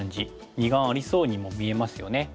二眼ありそうにも見えますよね。